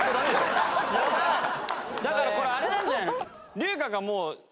だからこれあれなんじゃないの？